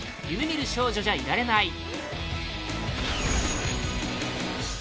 「夢見る少女じゃいられない」